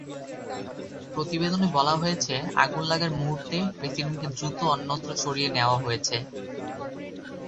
প্রতিবেদনে বলা হয়েছে, আগুন লাগার মুহূর্তে প্রেসিডেন্টকে দ্রুত অন্যত্র সরিয়ে নেওয়া হয়েছে।